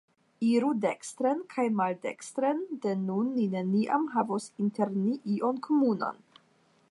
Iru dekstren kaj maldekstren, de nun ni neniam havos inter ni ion komunan.